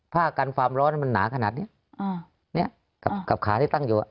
ผ้ากันความร้อนมันหนาขนาดเนี้ยอ่าเนี้ยกับขาที่ตั้งอยู่อ่ะ